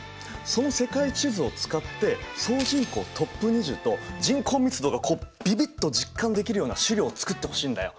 その世界地図を使って総人口トップ２０と人口密度がこうビビッと実感できるような資料を作ってほしいんだよ。